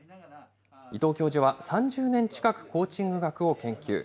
伊藤教授は３０年近く、コーチング学を研究。